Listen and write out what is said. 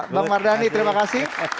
bang mardani terima kasih